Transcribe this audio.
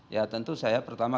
ya tentu saya pertama